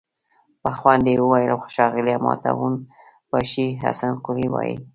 په خوند يې وويل: ښاغليه! ماته اون باشي حسن قلي وايه!